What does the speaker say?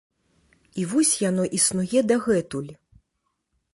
І вось яно існуе дагэтуль.